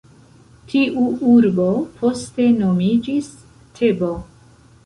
Tiu urbo poste nomiĝis Tebo.